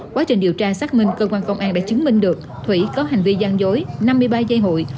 quá trình điều tra xác minh cơ quan công an đã chứng minh được thủy có hành vi gian dối năm mươi ba dây hụi